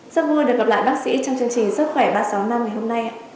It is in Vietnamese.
rất vui được gặp lại bác sĩ trong chương trình sức khỏe ba trăm sáu mươi năm ngày hôm nay